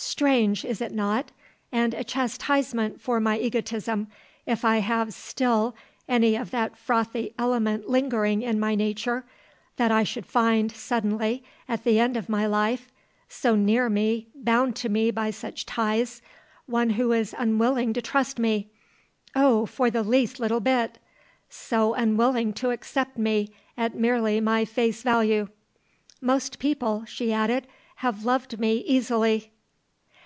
Strange, is it not, and a chastisement for my egotism, if I have still any of that frothy element lingering in my nature, that I should find, suddenly, at the end of my life so near me, bound to me by such ties one who is unwilling to trust me, oh, for the least little bit; so unwilling to accept me at merely my face value. Most people," she added, "have loved me easily."